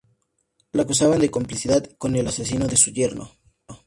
La acusaban de complicidad con el asesino de su yerno.